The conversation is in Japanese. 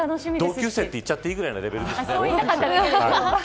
同級生と言っちゃっていいぐらいのレベルですね。